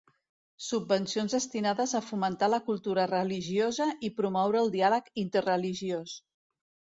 Subvencions destinades a fomentar la cultura religiosa i promoure el diàleg interreligiós.